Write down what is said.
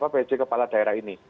pc kepala daerah ini